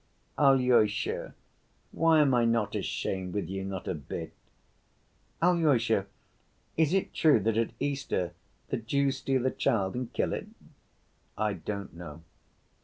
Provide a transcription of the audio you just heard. Alyosha, why am I not ashamed with you, not a bit? Alyosha, is it true that at Easter the Jews steal a child and kill it?" "I don't know."